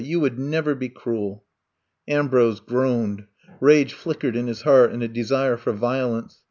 You would never be cruel. '' Ambrose groaned. Rage flickered in his heart, and a desire for violence.